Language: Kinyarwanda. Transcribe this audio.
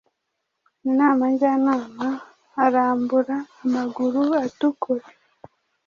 inama njyanama arambura amaguru atukura,